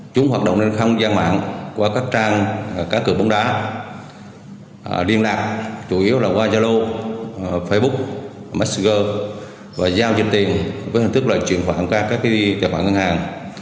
chúng hoạt động trên không gian mạng qua các trang các cửa bóng đá liên lạc chủ yếu là qua yalo facebook messenger và giao dịch tiền với hình thức là chuyển khoản các tài khoản ngân hàng